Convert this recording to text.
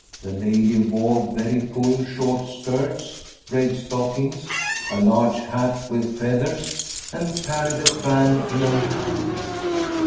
The lady wore very full, short skirts, red stockings, a large hat with feathers, and carried a fan in her hand.